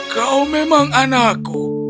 kau memang anakku